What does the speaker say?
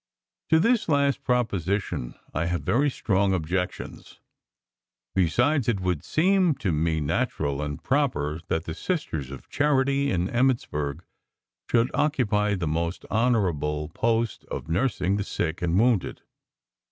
To this last proposition I have very strong objections. Besides, it would seem to me natural and proper that the Sisters of Charity in Emmittsburg should occupy the very honorable post of nursing the sick and wounded.